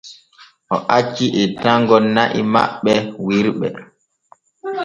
O acci ettango na’i makko wirɓe.